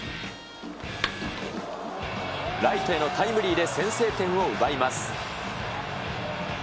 ライトへのタイムリーで先制点を奪います。